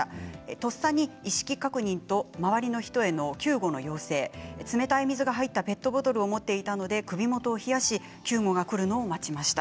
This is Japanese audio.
とっさに意識確認と周りの人への救護の要請冷たい水が入ったペットボトルを持っていたので首元を冷やし救護が来るのを待ちました。